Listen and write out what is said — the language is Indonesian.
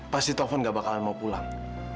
pasti telepon gak bakalan mau pulang